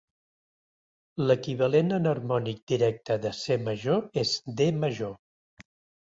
L'equivalent enharmònic directe de C major és D major.